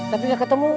tapi gak ketemu